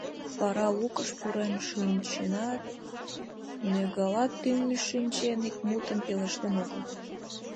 Вара лукыш пурен шинчынат, ньогала тӱҥын шинчен, ик мутым пелештен огыл.